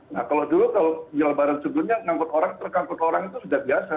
nah kalau dulu kalau di lebaran sebelumnya ngangkut orang truk ngangkut orang itu sudah biasa